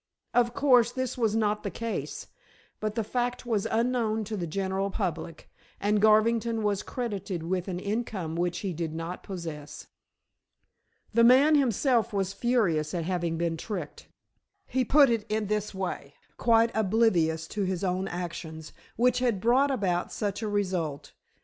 Of course, this was not the case; but the fact was unknown to the general public, and Garvington was credited with an income which he did not possess. The man himself was furious at having been tricked. He put it in this way, quite oblivious to his own actions, which had brought about such a result.